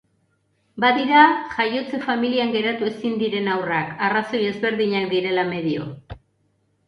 Badira jaiotze familian geratu ezin diren haurrak, arrazoi ezberdinak direla medio.